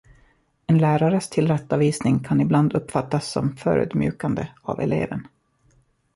En lärares tillrättavisning kan ibland uppfattas som förödmjukande av eleven.